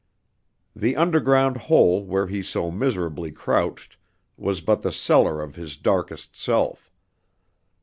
The underground hole where he so miserably crouched was but the cellar of his darkest self.